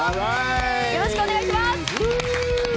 よろしくお願いします！